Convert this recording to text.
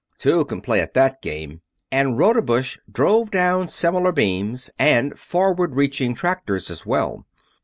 "Two can play at that game!" and Rodebush drove down similar beams, and forward reaching tractors as well.